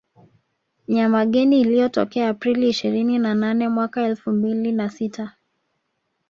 Nyamageni iliyotokea Aprili ishirini na nane mwaka elfu mbili na sita